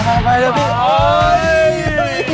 โอ๊ยโหย